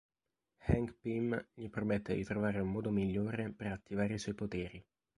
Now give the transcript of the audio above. Hank Pym gli promette di trovare un modo migliore per attivare i suoi poteri.